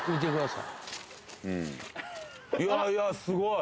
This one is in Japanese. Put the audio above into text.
いやいや、すごい。